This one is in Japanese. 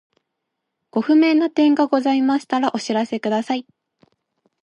ご不明な点がございましたらお知らせください。